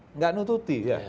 enggak nututi ya